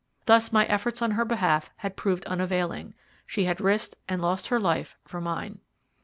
Thus my efforts on her behalf had proved unavailing. She had risked and lost her life for mine.